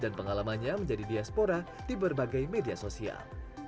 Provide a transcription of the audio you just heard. dan pengalamannya menjadi diaspora di berbagai media sosial